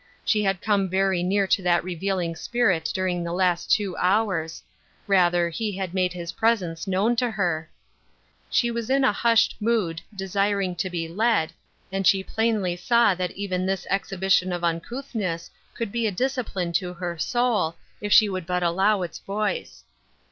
She had come very near to that revealing Spirit during the last two liours — rather he had made his presence known to her. She was in a hushed mood, desiring to be led, and she plainly saw My Daughters. 808 that even this exhibition of uncouthness could be a discipline to her soul, if she would but allow its voice.